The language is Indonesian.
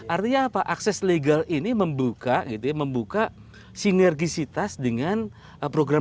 artinya apa akses legal ini membuka sinergisitas dengan program program